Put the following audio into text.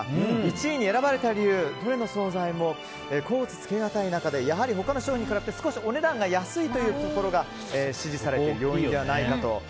１位に選ばれた理由どの総菜も甲乙つけがたい中でやはり他の商品に比べて少しお値段が安いというところが支持されている要因ではないかと。